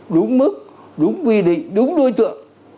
đúng mức đúng quy định đúng đối tượng